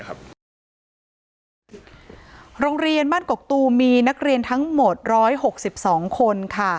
โรงเรียนบ้านกกตูมมีนักเรียนทั้งหมด๑๖๒คน